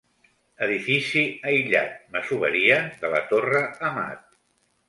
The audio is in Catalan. Edifici aïllat, masoveria de la Torre Amat.